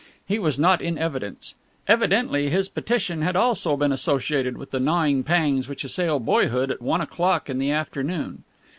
He was not in evidence. Evidently his petition had also been associated with the gnawing pangs which assail boyhood at one o'clock in the afternoon.